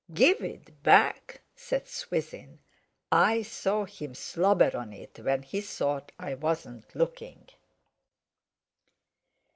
"Give it back?" said Swithin: "I saw him slobber on it when he thought I wasn't looking!"